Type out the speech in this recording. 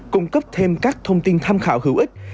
cung cấp thêm các thông tin tham khảo hữu ích